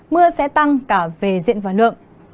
mưa sẽ tăng cả về diện và lượng